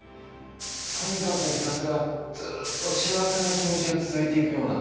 とにかくひたすらずっと幸せな気持ちが続いていくような。